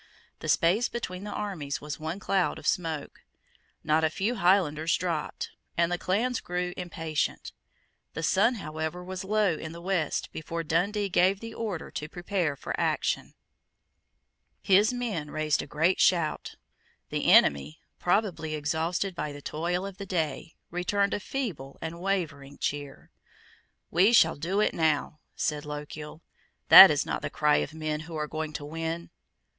The space between the armies was one cloud of smoke. Not a few Highlanders dropped; and the clans grew impatient. The sun however was low in the west before Dundee gave the order to prepare for action. His men raised a great shout. The enemy, probably exhausted by the toil of the day, returned a feeble and wavering cheer. "We shall do it now," said Lochiel: "that is not the cry of men who are going to win."